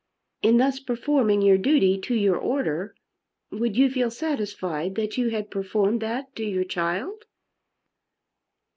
In thus performing your duty to your order would you feel satisfied that you had performed that to your child?"